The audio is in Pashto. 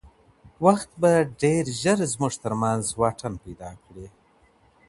وخت به ډېر ژر زموږ تر منځ واټن پیدا کړي.